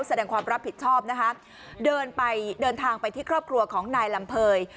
แสดงความรับผิดชอบนะคะเดินไปเดินทางไปที่ครอบครัวของนายลำเภย